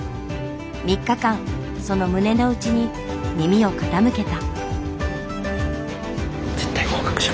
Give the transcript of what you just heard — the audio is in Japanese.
３日間その胸のうちに耳を傾けた。